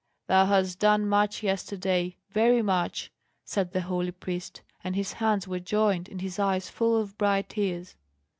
"Thou hast done much yesterday, very much," said the holy priest; and his hands were joined, and his eyes full of bright tears.